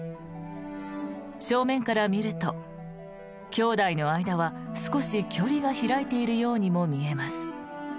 正面から見ると兄弟の間は少し距離が開いているようにも見えます。